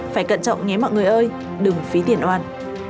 phải cẩn trọng nhé mọi người ơi đừng phía tiền oan